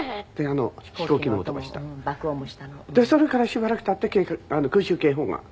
それからしばらく経って空襲警報が。